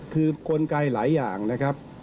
คือกลไกหลายอย่างนะครับ